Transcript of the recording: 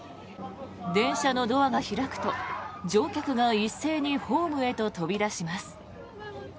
電車のドアが開くと乗客が一斉にホームへと飛び出します。